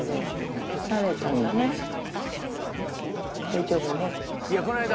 大丈夫ね。